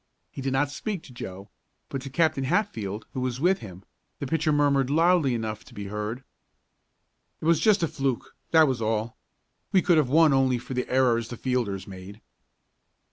He did not speak to Joe, but to Captain Hatfield, who was with him, the pitcher murmured, loudly enough to be heard: "It was just a fluke, that was all. We could have won only for the errors the fielders made."